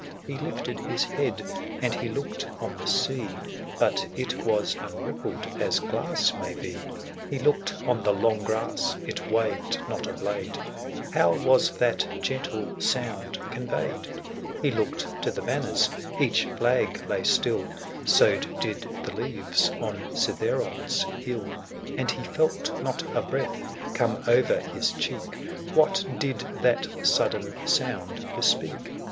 He lifted his head, and he looked on the sea, But it was unrippled as glass may be ; He looked on the long grass — it waved not a blade; How*was that gentle sound conveyed i* 481 He looked to the banners — each flag lay still, So did the leaves on Cithzeron's hill, And he felt not a breath come over his cheek ; What did that sudden sound bespeak